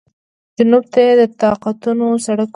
جنوب ته یې د اطاقونو ته سړک و.